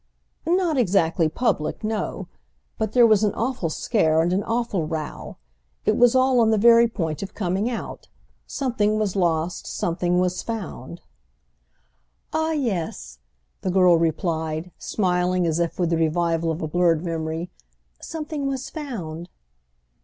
"Not exactly public—no. But there was an awful scare and an awful row. It was all on the very point of coming out. Something was lost—something was found." "Ah yes," the girl replied, smiling as if with the revival of a blurred memory; "something was found."